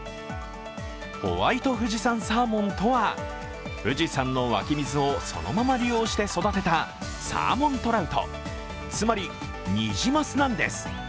ホワイト富士山サーモンとは富士山の湧き水をそのまま利用して育てたサーモントラウト、つまりニジマスなんです。